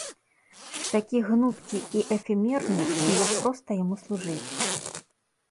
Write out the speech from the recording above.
Такі гнуткі і эфемерны, і як проста яму служыць.